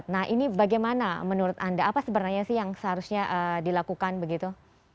nah ini bagaimana menurut anda apa sebenarnya sih yang seharusnya dilakukan begitu